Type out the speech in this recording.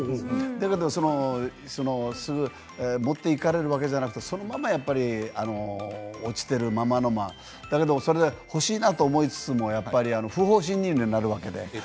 だけどすぐに持って行かれるわけではなくてそのままやっぱり落ちているままの欲しいなと思いつつもやっぱり不法侵入になるわけで。